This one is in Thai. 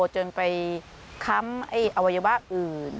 จนไปค้ำอวัยวะอื่น